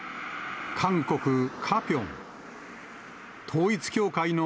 韓国・カピョン。